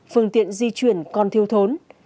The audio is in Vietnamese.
phương tiện di chuyển còn thiêu thốn